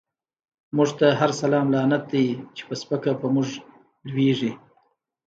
مونږ ته هر سلام لعنت دۍ، چی په سپکه په مونږ لویږی